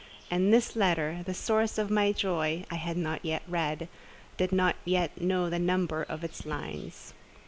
And this letter, the source of my joy, I had not yet read: did not yet know the number of its lines.